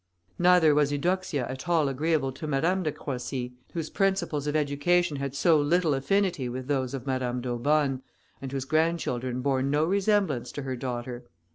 Neither was Eudoxia at all agreeable to Madame de Croissy, whose principles of education had so little affinity with those of Madame d'Aubonne, and whose grandchildren bore no resemblance to her daughter.